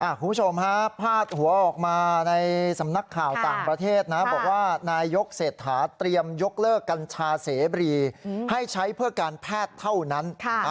คุณผู้ชมฮะพาดหัวออกมาในสำนักข่าวต่างประเทศนะบอกว่านายกเศรษฐาเตรียมยกเลิกกัญชาเสบรีให้ใช้เพื่อการแพทย์เท่านั้น